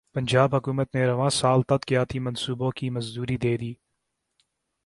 پنجاب حکومت نے رواں سال ترقیاتی منصوبوں کی منظوری دیدی